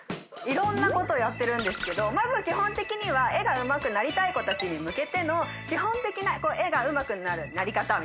いろんなことやってるんですけどまず基本的には絵がうまくなりたい子たちに向けての基本的な絵がうまくなるなり方。